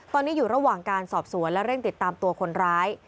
ตอนนี้อยู่ระหว่างการสอบสวนและเร่งติดตามตัวคนร้าย